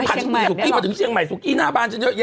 ไปเชียงใหม่ได้หรอกไปเชียงใหม่เสียงใหม่สุกี้หน้าบ้านเยอะแยะนึกออกปะ